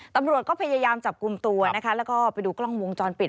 ตำรวจก็พยายามจับกลุ่มตัวนะคะแล้วก็ไปดูกล้องวงจรปิด